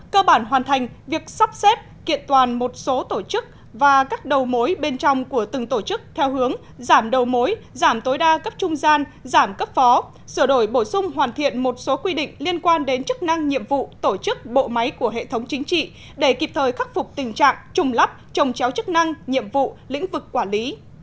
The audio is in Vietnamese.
cơ bản hoàn thành việc sắp xếp kiện toàn một số tổ chức và các đầu mối bên trong của từng tổ chức theo hướng giảm đầu mối giảm tối đa cấp trung gian giảm cấp phó sửa đổi bổ sung hoàn thiện một số quy định liên quan đến chức năng nhiệm vụ tổ chức bộ máy của hệ thống chính trị để kịp thời khắc phục tình trạng trùng lắp trong chéo chức năng nhiệm vụ lĩnh vực quản lý